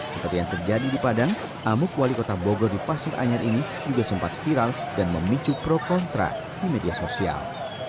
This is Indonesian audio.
seperti yang terjadi di padang amuk wali kota bogor di pasar anyar ini juga sempat viral dan memicu pro kontra di media sosial